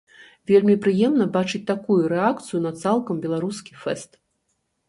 Вельмі прыемна бачыць такую рэакцыю на цалкам беларускі фэст.